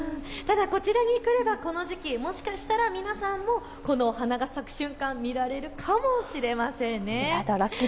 ただこちらに来ればこの時期、もしかしたら皆さんもこのお花が咲く瞬間を見られるかもしれません。